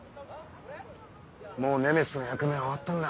もうネメシスの役目は終わったんだ。